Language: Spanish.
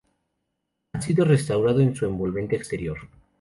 Ha sido restaurado en su envolvente exterior.